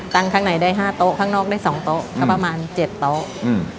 ข้างในได้ห้าโต๊ะข้างนอกได้สองโต๊ะก็ประมาณเจ็ดโต๊ะอืม